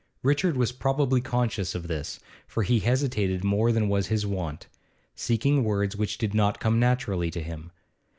Richard was probably conscious of this, for he hesitated more than was his wont, seeking words which did not come naturally to him.